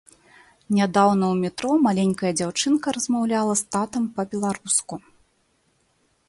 Нядаўна ў метро маленькая дзяўчынка размаўляла з татам па-беларуску.